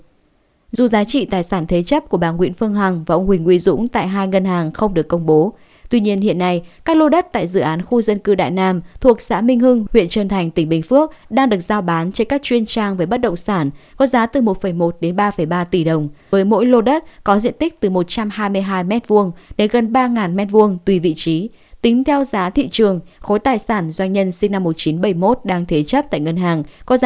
đơn vị nhận đảm bảo khối tài sản thế chấp của bà nguyễn phương hằng và ông huỳnh nguyễn dũng là ngân hàng thương mại cổ phần phương đông chi nhánh bình dương chi nhánh bình dương chi nhánh bình dương